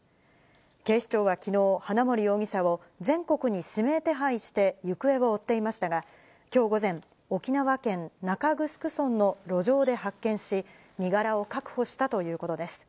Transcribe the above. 警視庁はきのう、花森容疑者を全国に指名手配して行方を追っていましたが、きょう午前、沖縄県中城村の路上で発見し、身柄を確保したということです。